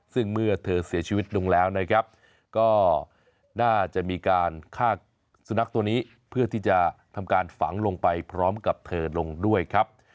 ซึ่งเมื่อเธอเสียชีวิตลงแล้วนะครับก็น่าจะมีการฆ่าสุนัขตัวนี้เพื่อที่จะทำการฝังลงไปพร้อมกับเธอลงด้วยครับ